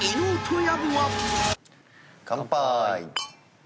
乾杯。